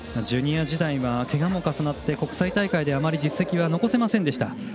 ジュニア時代はけがも重なって国際大会であまり実績は残せませんでした。